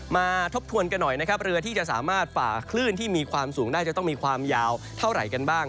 ทบทวนกันหน่อยนะครับเรือที่จะสามารถฝ่าคลื่นที่มีความสูงได้จะต้องมีความยาวเท่าไหร่กันบ้าง